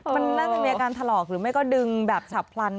มันน่าจะมีอาการถลอกหรือไม่ก็ดึงแบบฉับพลัน